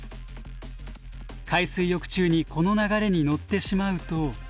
海水浴中にこの流れに乗ってしまうと。